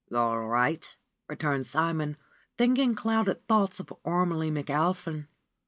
"All right," returned Simon, thinking clouded thoughts of Ormelie McAlpin.